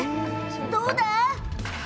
どうだ！